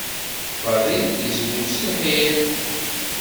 Fadil yezweǧ s lḥir.